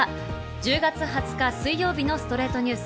１０月２０日、水曜日の『ストレイトニュース』。